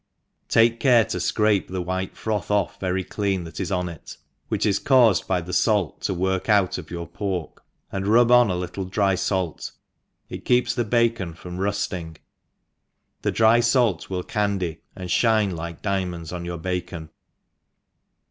Take care to fcrape the white froth off very clean that is on it, wnich is caufed by the fait to work out of your pork, and rub on a little dry fait, it keeps the bacon from ruil « ing; the dry fait will candy and fhine like dia^ monda on your bacon.